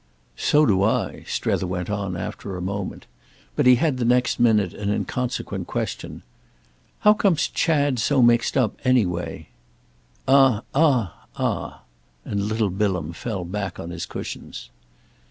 "So do I!" Strether went on after a moment. But he had the next minute an inconsequent question. "How comes Chad so mixed up, anyway?" "Ah, ah, ah!"—and little Bilham fell back on his cushions.